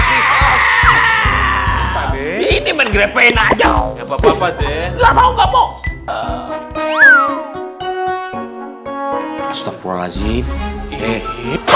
ini mengepein aja apa apa deh